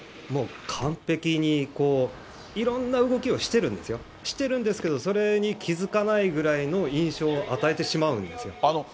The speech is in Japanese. もう完璧に、いろんな動きをしてるんですよ、してるんですけれども、それに気付かないぐらいの印象を与えてしまうんですよ。